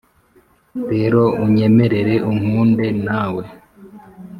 rero unyemerere unkunde nawe